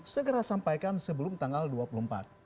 segera sampaikan sebelum tanggal dua puluh empat